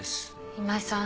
今井さん